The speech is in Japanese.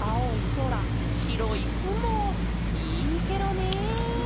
そらしろいくもいいケロね。